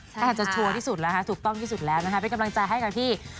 ก็อาจจะชัวร์ที่สุดแล้วค่ะถูกต้องที่สุดแล้วนะคะเป็นกำลังใจให้กับพี่